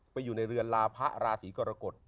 อยู่ในเรือนลาพะราศีกรกฎ